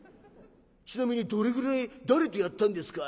『ちなみにどれぐらい誰とやったんですか？』